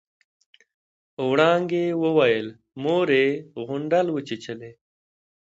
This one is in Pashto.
وړانګې وويل مور يې غونډل وچېچلې.